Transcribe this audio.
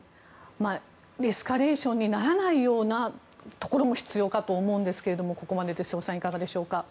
エスカレーションにならないようなところも必要かと思うんですけれどもここまでで瀬尾さんいかがでしょうか？